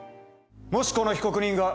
もしこの被告人が。